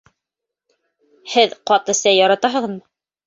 Һеҙ ҡаты сәй яратаһығыҙмы?